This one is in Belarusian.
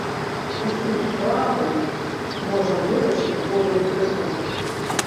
Усю справу можа вырашыць добры прыклад.